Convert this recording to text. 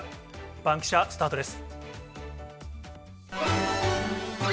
バンキシャ、スタートです。